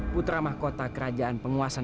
putra mahkota kerajaan penguasa